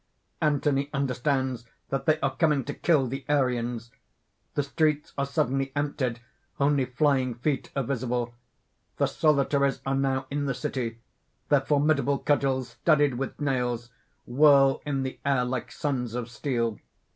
Anthony understands that they are coming to kill the Arians. The streets are suddenly emptied only flying feet are visible. _The Solitaries are now in the city. Their formidable cudgels, studded with nails, whirl in the air like suns of steel.